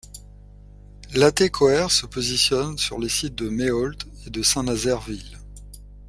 Latécoère se positionne sur les sites de Méaulte et de Saint-Nazaire Ville.